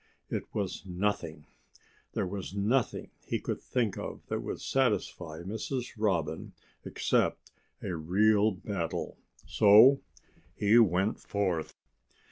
It was "Nothing!" There was nothing he could think of that would satisfy Mrs. Robin except a real battle. So he went forth.